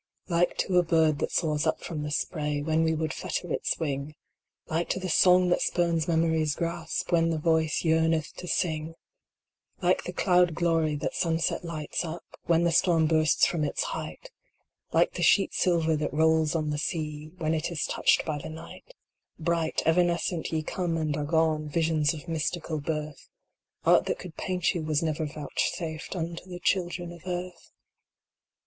Like to a bird that soars up from the spray, When we would fetter its wing ; Like to the song that spurns Memory s grasp When the voice yearneth to sing ; DXEAMS OF BEAUTY, 15 Like the cloud glory that sunset lights up, When the storm bursts from its height ; Like the sheet silver that rolls on the sea, When it is touched by the night Bright, evanescent, ye come and are gone, Visions of mystical birth ; Art that could paint you was never vouchsafed Unto the children of earth.